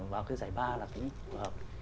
vào cái giải ba là cũng hợp